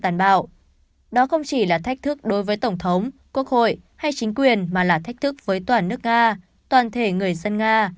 đó không chỉ là thách thức đối với tổng thống quốc hội hay chính quyền mà là thách thức với toàn nước nga toàn thể người dân nga